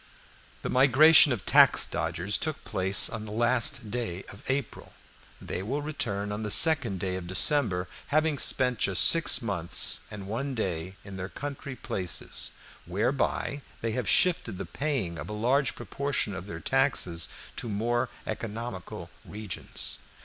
The migration of the "tax dodgers" took place on the last day of April; they will return on the second day of December, having spent just six months and one day in their country places, whereby they have shifted the paying of a large proportion of their taxes to more economical regions.